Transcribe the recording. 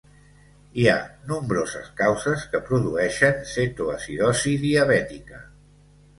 Hi ha nombroses causes que produeixen cetoacidosi diabètica.